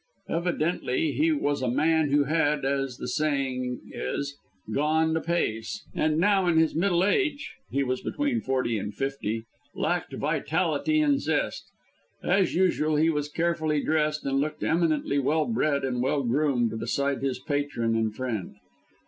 Evidently he was a man who had, as the saying is, "gone the pace," and now, in his middle age he was between forty and fifty lacked vitality and zest. As usual he was carefully dressed, and looked eminently well bred and well groomed beside his patron and friend.